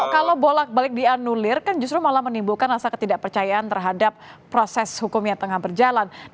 kalau bolak balik dianulir kan justru malah menimbulkan rasa ketidakpercayaan terhadap proses hukum yang tengah berjalan